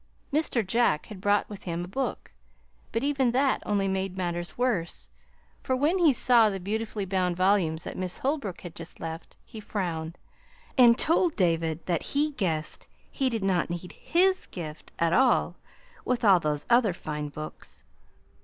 Mr. Jack had brought with him a book; but even that only made matters worse, for when he saw the beautifully bound volumes that Miss Holbrook had just left, he frowned, and told David that he guessed he did not need his gift at all, with all those other fine books.